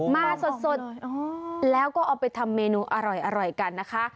มาสดแล้วก็เอาไปทำเมนูอร่อยกันนะคะ